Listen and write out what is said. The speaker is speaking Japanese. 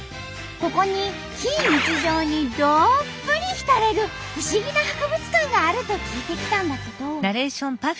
ここに非日常にどっぷり浸れる不思議な博物館があると聞いて来たんだけど。